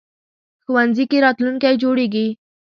ښوونځی کې راتلونکی جوړېږي